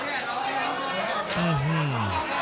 อื้อฮืม